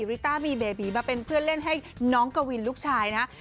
ริต้ามีเบบีมาเป็นเพื่อนเล่นให้น้องกวินลูกชายนะ